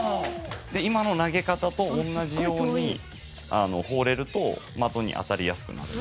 今の投げ方と同じように放れると的に当たりやすくなる。